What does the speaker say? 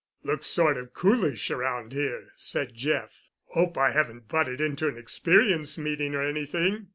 "Looks sort of coolish around here," said Jeff. "Hope I haven't butted into an Experience Meeting or anything."